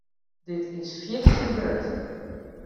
Dit is fierste grut.